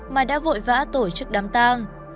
mà đã vội vã tổ chức đám tang